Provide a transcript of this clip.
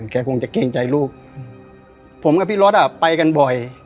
คงจะเกรงใจลูกผมกับพี่รถอ่ะไปกันบ่อย